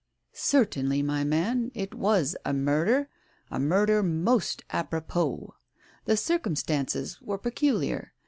"Certainly, my man, it was a murder — a murder most apropos. The circumstances were peculiar.